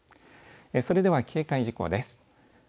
それでは警戒事項です。